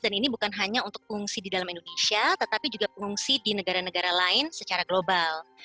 dan ini bukan hanya untuk pengungsi di dalam indonesia tetapi juga pengungsi di negara negara lain secara global